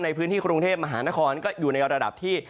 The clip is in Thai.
ในพื้นที่กรุงเทพมหานครก็อยู่ในระดับที่